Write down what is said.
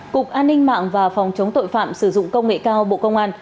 cục an ninh mạng và phòng chống tội phạm sử dụng công nghệ cao bộ công an